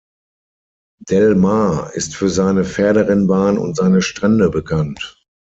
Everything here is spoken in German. Del Mar ist für seine Pferderennbahn und seine Strände bekannt.